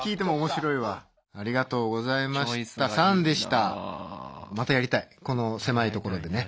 またやりたいこの狭い所でね。